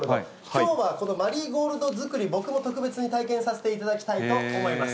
きょうはこのマリーゴールド作り、僕も特別に体験させていただきたいと思います。